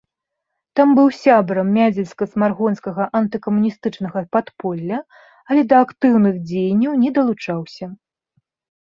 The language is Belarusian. Там быў сябрам мядзельска-смаргонскага антыкамуністычнага падполля, але да актыўных дзеянняў не далучаўся.